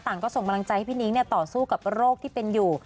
ก็ส่งกำลังใจให้พี่นิ้งต่อสู้กับโรคที่เป็นอยู่